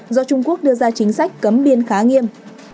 do trung quốc đưa ra chính sách cấm biên khá nghiêm